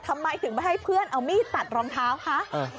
ทำไมถึงไม่ให้เพื่อนเอามีดตัดรองเท้าคะ